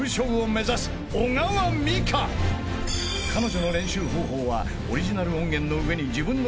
［彼女の練習方法は］